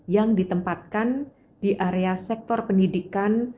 yang ditempatkan di area sektor pendidikan